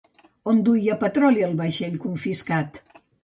On duia petroli el vaixell confiscat?